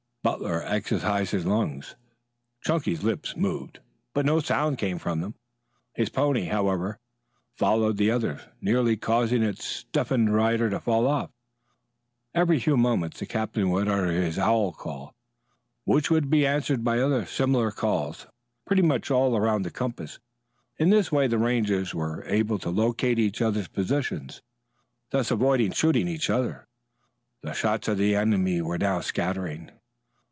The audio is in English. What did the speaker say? Butler exercised his lungs. Chunky's lips moved, but no sound came from them. His pony, however, followed the others, nearly causing its stiffened rider to fall off. Every few moments the captain would utter his owl call, which would be answered by other similar calls pretty much all around the compass. In this way the Rangers were able to locate each other's positions, thus avoiding shooting each other. The shots of the enemy were now scattering.